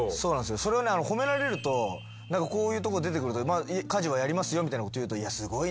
それを褒められるとこういうとこ出てくると家事はやりますよみたいなこと言うと。